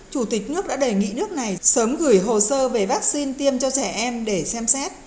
chủ tịch nước đã đề nghị nước này sớm gửi hồ sơ về vaccine tiêm cho trẻ em để xem xét